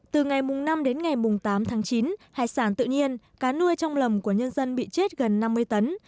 từ ngày năm đến ngày tám tháng chín hải sản tự nhiên cá nuôi trong lòng của nhân dân bị chết gần năm mươi tấn